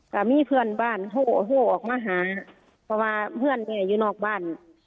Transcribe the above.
ก็มีเพื่อนบ้านโหออกมาหาเพราะว่าเพื่อนแม่อยู่นอกบ้าน